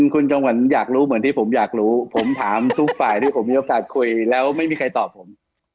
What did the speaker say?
คุณจงหวันอยากรู้เหมือนที่ผมอยากรู้ผมถามทุกฝ่ายที่ผมมีโอกาสคุยแล้วไม่มีใครตอบผม